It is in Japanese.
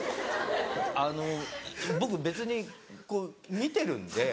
あの僕別に見てるんで。